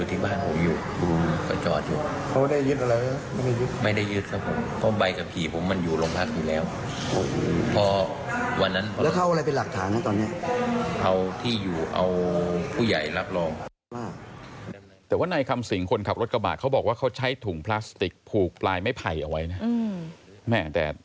แต่ว่านายคำสิงคนขับรถกระบะเขาบอกว่าเขาใช้ถุงพลาสติกผูกปลายไม้ไผ่เอาไว้นะ